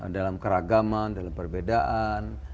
dalam keragaman dalam perbedaan